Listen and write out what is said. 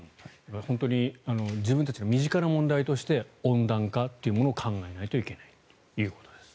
本当に自分たちの身近な問題として温暖化というものを考えないといけないということです。